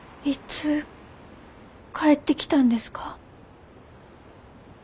いつ帰ってきたんですか？